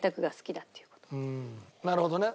なるほどね。